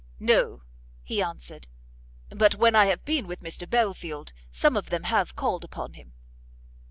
"No," he answered, "but when I have been with Mr Belfield, some of them have called upon him."